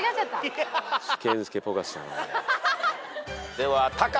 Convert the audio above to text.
ではタカ。